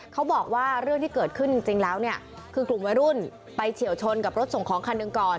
เขาบอกว่าเรื่องที่เกิดขึ้นจริงแล้วเนี่ยคือกลุ่มวัยรุ่นไปเฉียวชนกับรถส่งของคันหนึ่งก่อน